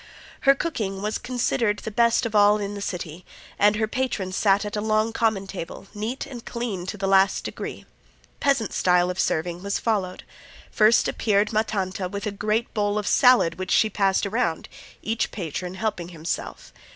Her cooking was considered the best of all in the city, and her patrons sat at a long common table, neat and clean to the last degree. Peasant style of serving was followed. First appeared Ma Tanta with a great bowl of salad which she passed around, each patron helping himself.